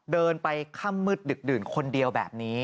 เดินไปค่ำมืดดึกดื่นคนเดียวแบบนี้